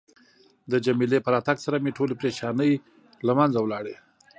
د جميله په راتګ سره مې ټولې پریشانۍ له منځه لاړې.